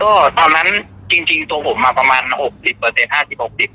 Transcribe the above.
ก็ตอนนั้นจริงจริงตัวผมมาประมาณหกสิบเปอร์เซ็นต์ห้าสิบหกสิบ